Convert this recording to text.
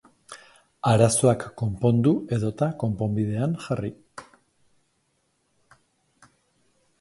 Arazoak konpondu edota konponbidean jarri.